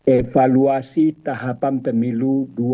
evaluasi tahapan pemilu dua ribu dua puluh